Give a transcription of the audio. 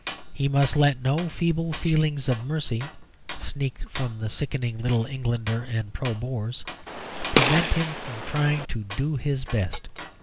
He must let no feeble feelings of mercy (sneaked from the sickening Little Englanders and Pro Boers) prevent him from trying to do his best.